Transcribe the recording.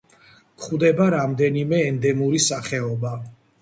გვხვდება რამდენიმე ენდემური სახეობა.